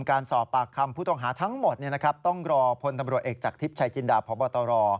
การสอบปากคำผู้ต้องหาทั้งหมดต้องรอพลตำรวจเอกจากทิพย์ชายจินดาพบตร